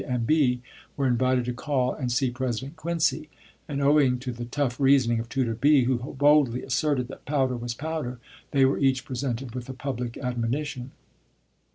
W. and B. were invited to call and see President Quincy; and owing to the tough reasoning of Tutor B., who boldly asserted that 'powder was powder,' they were each presented with a public admonition.